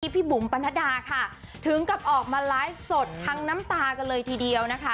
พี่บุ๋มปนัดดาค่ะถึงกับออกมาไลฟ์สดทั้งน้ำตากันเลยทีเดียวนะคะ